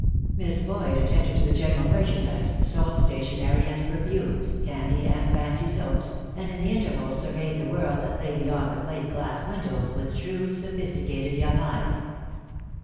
Miss Boyd attended to the general merchandise, sold stationery and perfumes, candy and fancy soaps, and in the intervals surveyed the world that lay beyond the plate glass windows with shrewd, sophisticated young eyes.